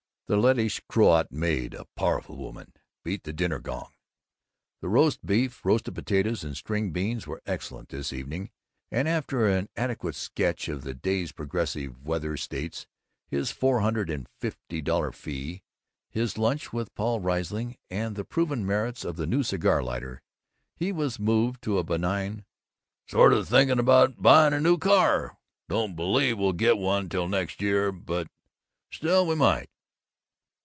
The Lettish Croat maid, a powerful woman, beat the dinner gong. The roast of beef, roasted potatoes, and string beans were excellent this evening and, after an adequate sketch of the day's progressive weather states, his four hundred and fifty dollar fee, his lunch with Paul Riesling, and the proven merits of the new cigar lighter, he was moved to a benign, "Sort o' thinking about buying a new car. Don't believe we'll get one till next year, but still, we might."